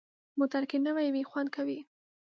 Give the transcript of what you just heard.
موټر که نوي وي، خوند کوي.